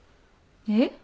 えっ？